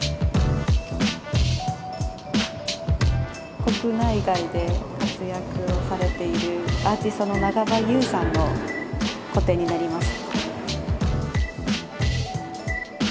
国内外で活躍をされているアーティストの長場雄さんの個展になります。